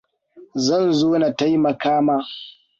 Zan zo na taimaka ma.